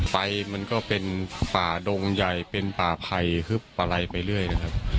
ไฟมันก็เป็นป่าดงใหญ่เป็นป่าไผ่คือปลาไหลไปเรื่อยนะครับ